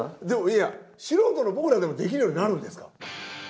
でもいや素人の僕らでもできるようになるんですか？